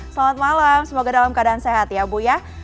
selamat malam semoga dalam keadaan sehat ya bu ya